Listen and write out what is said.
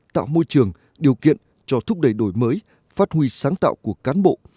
tạo môi trường điều kiện cho thúc đẩy đổi mới phát huy sáng tạo của cán bộ